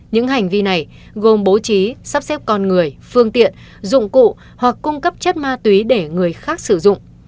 những hành vi này gồm bố trí sắp xếp con người phương tiện dụng cụ hoặc cung cấp chất ma túy để người khác sử dụng